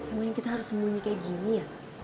emangnya kita harus sembunyi kayak gini ya